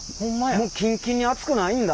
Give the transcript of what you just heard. もうキンキンに熱くないんだ。